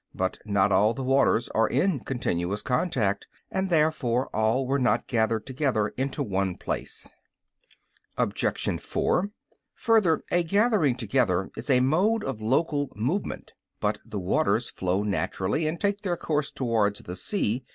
But not all the waters are in continuous contact, and therefore all were not gathered together into one place. Obj. 4: Further, a gathering together is a mode of local movement. But the waters flow naturally, and take their course towards the sea.